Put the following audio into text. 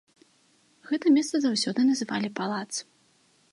Гэта месца заўсёды называлі палац.